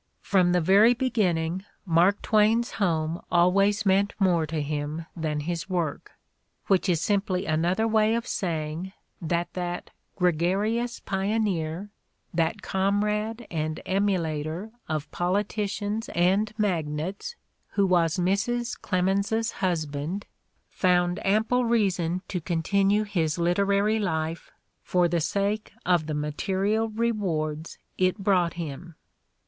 "From the very beginning Mark Twain's home always meant more to him than his work": which is simply another way of saying that that gregarious pioneer, that comrade and emulator of politicians and magnates who was Mrs. Clemens 's husband, found ample 146 The Ordeal of Mark Twain reason to continue his literary life for the sake of the material rewards it brought him.